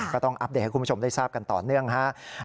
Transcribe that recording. อัปเดตให้คุณผู้ชมได้ทราบกันต่อเนื่องครับ